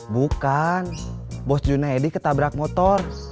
bukan bos junaidi ketabrak motor